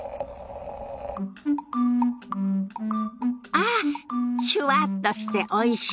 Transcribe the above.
ああっシュワッとしておいし。